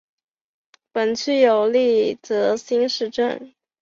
本区有立泽新市镇。